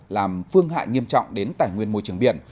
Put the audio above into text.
làm phương hại nghiêm trọng đến tài nguyên môi trường biển